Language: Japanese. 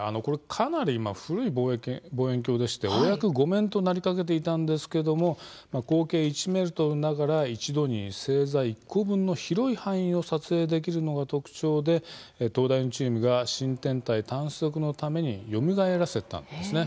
古い望遠鏡で、お役御免となりかけていたんですが口径１ｍながら一度に星座１個分の広い範囲を撮影できるのが特徴で東大のチームが新天体探索のためによみがえらせたんです。